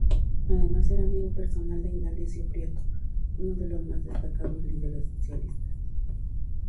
Además, era amigo personal de Indalecio Prieto, uno de los más destacados líderes socialistas.